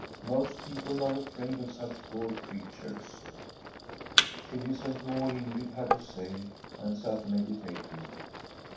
Most people are afraid of such poor creatures.' She listened to all Ingrid had to say, and sat medi tating.